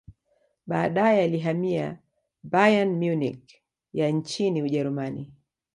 baadae alihamia Bayern Munich ya nchini ujerumani